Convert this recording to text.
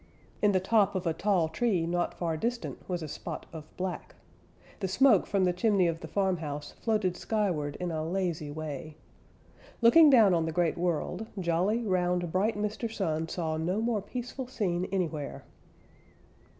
In the top of a tall tree not far distant was a spot of black. The smoke from the chimney of the farmhouse floated skyward in a lazy way. Looking down on the Great World, jolly, round, bright Mr. Sun saw no more peaceful scene anywhere.